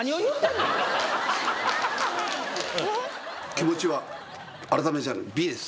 気持ちは改めＢです